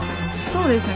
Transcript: そうですね。